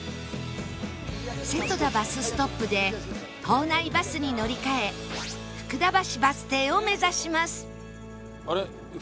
瀬戸田バスストップで島内バスに乗り換え福田橋バス停を目指します